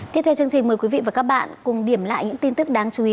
tiếp theo chương trình mời quý vị và các bạn cùng điểm lại những tin tức đáng chú ý